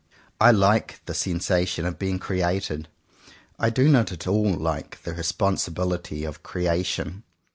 I like the sensation of being created." I do not at all like the responsibility of "creation."